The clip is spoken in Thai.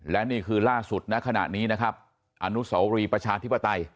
และนี่คือล่าสุดณขณะนี้นะครับอนุสวรีประชาธิปไตย